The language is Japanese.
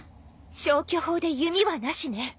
消去法で弓はなしね。